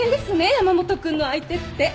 山本君の相手って。